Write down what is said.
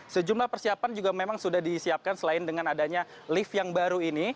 sejumlah persiapan juga memang sudah disiapkan selain dengan adanya lift yang baru ini